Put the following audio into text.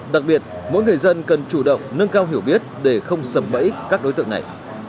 đặc biệt mỗi người dân cần chủ động nâng cao hiểu biết để không sầm bẫy các đối tượng này